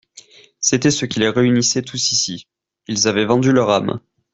C’était ce qui les réunissait tous ici. Ils avaient vendu leur âme.